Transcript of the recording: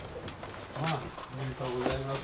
おめでとうございます。